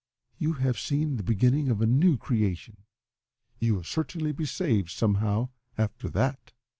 You have seen the beginning of a new creation. You will certainly be saved somehow after that."